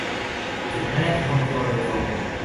ถึงไม่ได้กระทบตัวโดยตรง